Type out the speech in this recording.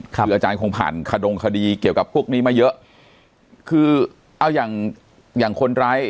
คืออาจารย์คงผ่านขดงคดีเกี่ยวกับพวกนี้มาเยอะคือเอาอย่างอย่างคนร้าย